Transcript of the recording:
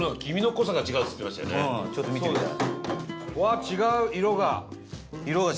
東山：ちょっと見てみたい。